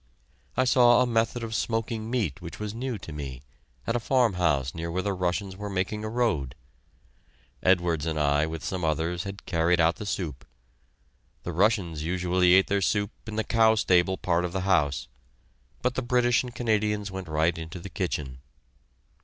I saw a method of smoking meat which was new to me, at a farmhouse near where the Russians were making a road. Edwards and I, with some others, had carried out the soup. The Russians usually ate their soup in the cow stable part of the house, but the British and Canadians went right into the kitchen.